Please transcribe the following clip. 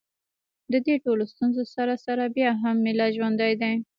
د دې ټولو ستونزو سره سره بیا هم ملت ژوندی دی